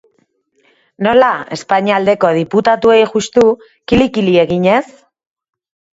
Nola, Espainia aldeko diputatuei juxtu kili-kili eginez?